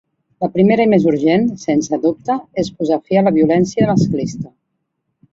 La primera i més urgent, sense dubte, és posar fi la violència masclista.